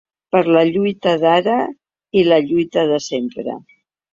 Per la lluita d’ara i la lluita de sempre.